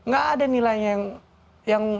gak ada nilainya yang